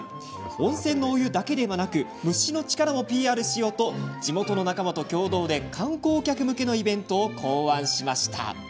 温泉のお湯だけでなく蒸しの力もＰＲしようと地元の仲間と協同で観光客向けのイベントを考案しました。